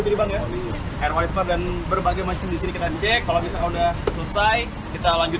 juga enggak air wiper dan berbagai masjid disini kita cek kalau bisa kau udah selesai kita lanjut